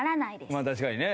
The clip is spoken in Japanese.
まあ確かにね。